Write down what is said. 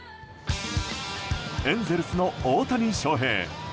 エンゼルスの大谷翔平。